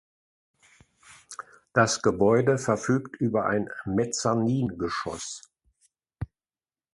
Das Gebäude verfügt über ein Mezzaningeschoss.